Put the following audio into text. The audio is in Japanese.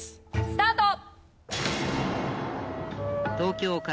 スタート！